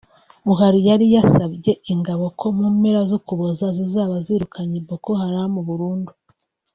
Buhari yari yasabye ingabo ko mu mpera z’Ukuboza zizaba zirukanye Boko Haram burundu